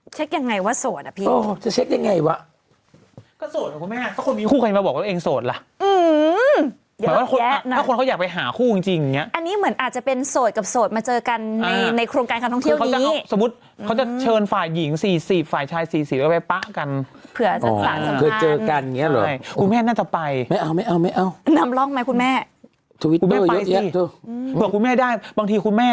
เช็กยังไงว่าโสดอ่ะพี่อ๋อจะเช็กยังไงวะก็โสดหรอคุณแม่